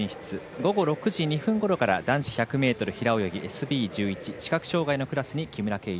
午後６時２分ごろから男子１００ｍ平泳ぎＳＢ１１、視覚障がいのクラスに木村敬一。